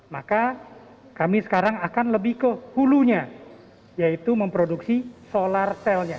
maka kami sekarang akan lebih ke hulunya yaitu memproduksi solar cellnya